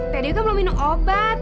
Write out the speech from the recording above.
t dewi kan belum minum obat